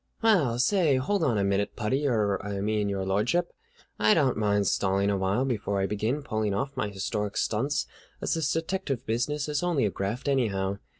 "Well, say, hold on a minute, Puddy, er, I mean Your Lordship. I don't mind stalling awhile before I begin pulling off my historic stunts, as this detective business is only a graft anyhow.